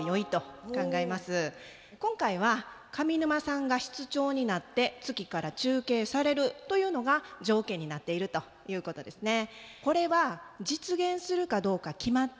今回は「上沼さんが室長になって月から中継される」というのが条件になっているということですね。